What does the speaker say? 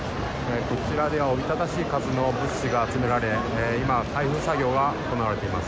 こちらではおびただしい数の物資が集められ今、開封作業が行われています。